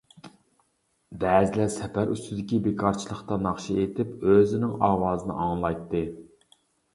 بەزىلەر سەپەر ئۈستىدىكى بىكارچىلىقتا ناخشا ئېيتىپ ئۆزىنىڭ ئاۋازىنى ئاڭلايتتى.